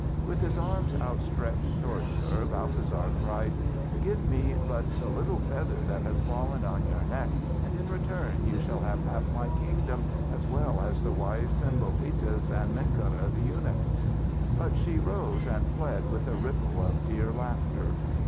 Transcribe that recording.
With his arms outstretched towards her, Balthasar cried: "Give me but the little feather that has fallen on your neck and in return you shall have half my kingdom as well as the wise Sembobitis and Menkera the eunuch." But she rose and fled with a ripple of dear laughter.